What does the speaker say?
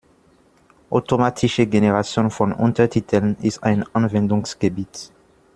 Automatische Generation von Untertiteln ist ein Anwendungsgebiet.